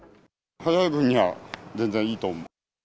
早い分には全然いいと思う。